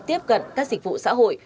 tiếp cận các dịch vụ xã hội